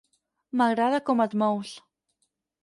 M'agrada com et mous.